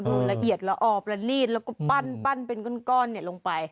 ละเอียดละออประลีดแล้วก็ปั้นเป็นก้อนลงไป